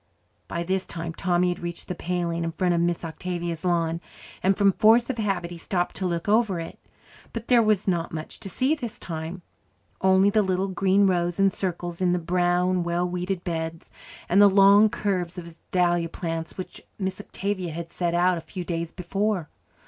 By this time Tommy had reached the paling in front of Miss Octavia's lawn, and from force of habit he stopped to look over it. But there was not much to see this time, only the little green rows and circles in the brown, well weeded beds, and the long curves of dahlia plants, which Miss Octavia had set out a few days before.